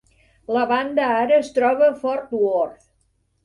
La banda ara es troba a Fort Worth.